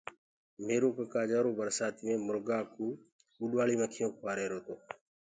ميرو سئوُٽ برسآتي مي مرگآ ڪوُ اُڏوآݪيٚ مکيونٚ کوآ رهيرو تو۔